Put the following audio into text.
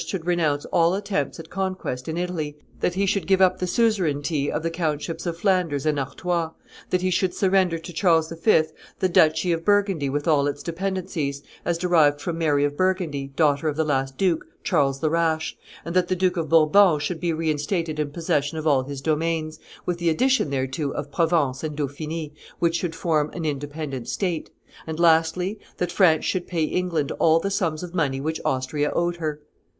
should renounce all attempts at conquest in Italy, that he should give up the suzerainty of the countships of Flanders and Artois, that he should surrender to Charles V. the duchy of Burgundy with all its dependencies, as derived from Mary of Burgundy, daughter of the last duke, Charles the Rash; that the Duke of Bourbon should be reinstated in possession of all his domains, with the addition thereto of Provence and Dauphiny, which should form an independent state; and, lastly, that France should pay England all the sums of money which Austria owed her.